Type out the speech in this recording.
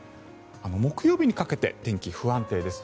木曜日にかけて天気、不安定です。